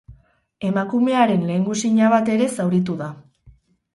Emakumearen lehengusina bat ere zauritu da.